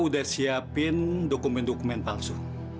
udah siapin dokumen dokumen palsu